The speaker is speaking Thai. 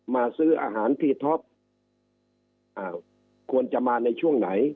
มาซื้ออาหารที่ท็อปควรจะมาในช่วงไหน